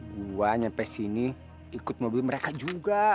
gua nyampe sini ikut mobil mereka juga